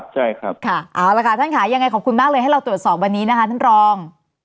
ใช่ครับค่ะเอาละค่ะท่านค่ะยังไงขอบคุณมากเลยให้เราตรวจสอบวันนี้นะคะท่านรอง